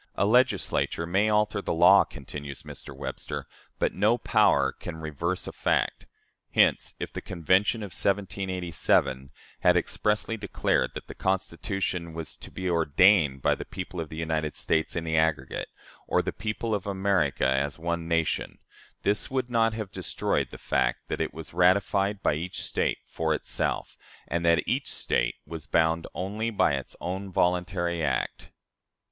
A Legislature may alter the law,' continues Mr. Webster, 'but no power can reverse a fact.' Hence, if the Convention of 1787 had expressly declared that the Constitution was [to be] ordained by 'the people of the United States in the aggregate,' or by the people of America as one nation, this would not have destroyed the fact that it was ratified by each State for itself, and that each State was bound only by 'its own voluntary act.'"